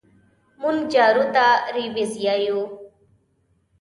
مونږ جارو ته رېبز يايو